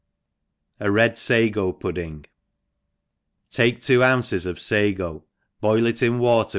A red Sago Pudding. TAKE two ounces of fago, boil it in watett .